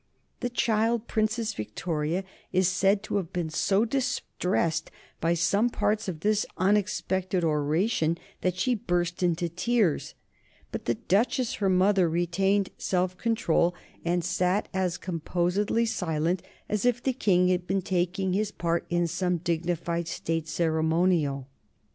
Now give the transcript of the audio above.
The child Princess Victoria is said to have been so distressed by some parts of this unexpected oration that she burst into tears; but the Duchess, her mother, retained self control, and sat as composedly silent as if the King had been taking his part in some dignified State ceremonial.